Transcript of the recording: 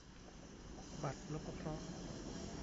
บัตรนพเคราะห์